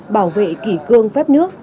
bảo vệ kỷ cương phép nước